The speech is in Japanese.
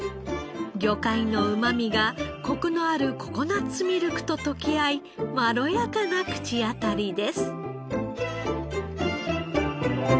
魚介のうまみがコクのあるココナッツミルクと溶け合いまろやかな口当たりです。